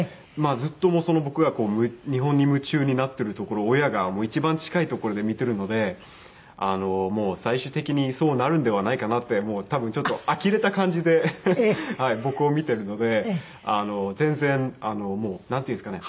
ずっと僕が日本に夢中になっているところを親が一番近いところで見ているのでもう最終的にそうなるんではないかなって多分ちょっとあきれた感じで僕を見ているので全然もうなんていうんですかね。